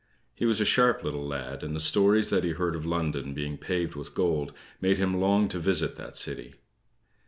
He was a sharp little lad, and the stories that he heard of London being paved with gold made him long to visit that city.